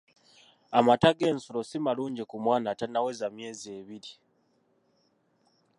Amata g'ensolo si malungi ku mwana atannaweza myezi ebiri.